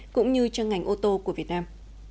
cũng như cho ngành ô tô của việt nam